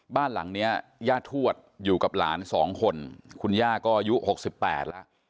บ้านหลังนี้ย่าทวดอยู่กับหลาน๒คนคุณย่าก็อายุ๖๘แล้ว